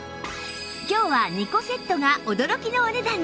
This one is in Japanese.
今日は２個セットが驚きのお値段に